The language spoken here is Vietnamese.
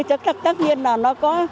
chắc chắn là nó có